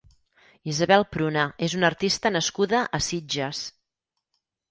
Isabel Pruna és una artista nascuda a Sitges.